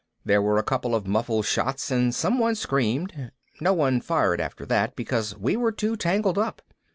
There were a couple of muffled shots and someone screamed. No one fired after that because we were too tangled up.